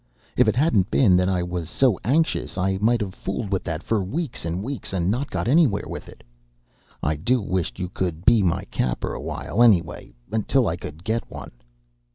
"If it hadn't been that I was so anxious, I might have fooled with that for weeks and weeks and not got anywheres with it. I do wisht you could be my capper a while anyway, until I could get one."